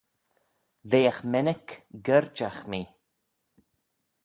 Veagh mennick gerjagh mee.